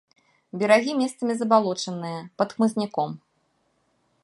Берагі месцамі забалочаныя, пад хмызняком.